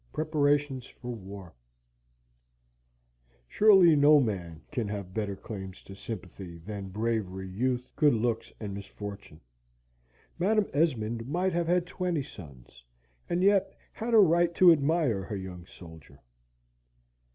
Preparations for War Surely no man can have better claims to sympathy than bravery, youth, good looks, and misfortune. Madam Esmond might have had twenty sons, and yet had a right to admire her young soldier.